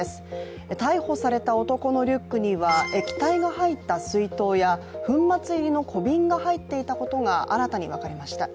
逮捕された男のリュックには液体の入った水筒や粉末入りの小瓶が入っていたことが新たに分かりました。